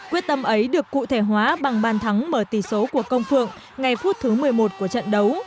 quyết tâm ấy được cụ thể hóa bằng bàn thắng mở tỷ số của công phượng ngày phút thứ một mươi một của trận đấu